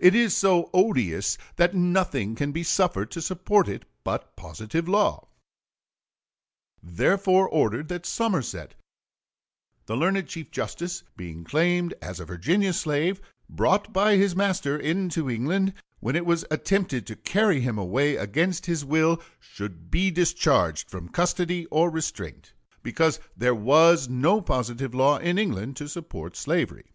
It is so odious that nothing can be suffered to support it but positive law." The learned chief justice therefore ordered that Somersett, being claimed as a Virginia slave brought by his master into England, when it was attempted to carry him away against his will, should be discharged from custody or restraint, because there was no positive law in England to support slavery.